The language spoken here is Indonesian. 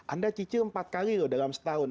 anda cicil empat kali loh dalam setahun